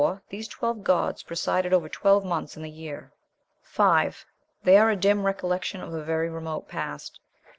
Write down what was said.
These twelve gods presided over twelve months in the year. 5. They are a dim recollection of a very remote past.